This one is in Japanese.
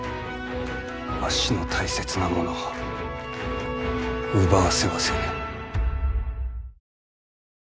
わしの大切なものを奪わせはせぬ。